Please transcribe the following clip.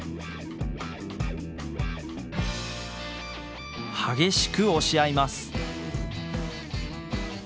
激しく押し合います。